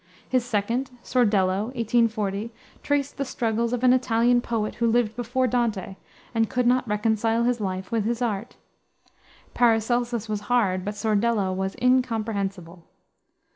His second, Sordello, 1840, traced the struggles of an Italian poet who lived before Dante, and could not reconcile his life with his art. Paracelsus was hard, but Sordello was incomprehensible.